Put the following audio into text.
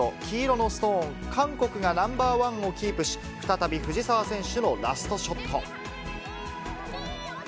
黄色のストーン、韓国がナンバー１をキープし、再び藤澤選手のラストショット。